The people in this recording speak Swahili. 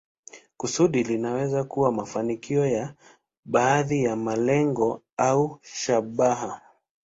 Kusudi linaweza kuwa mafanikio ya baadhi ya malengo au shabaha.